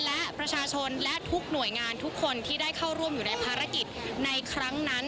และประชาชนและทุกหน่วยงานทุกคนที่ได้เข้าร่วมอยู่ในภารกิจในครั้งนั้น